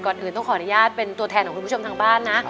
อื่นต้องขออนุญาตเป็นตัวแทนของคุณผู้ชมทางบ้านนะ